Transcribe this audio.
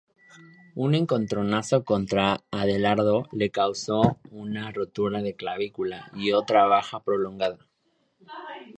Un encontronazo contra Adelardo le causó una rotura de clavícula y otra baja prolongada.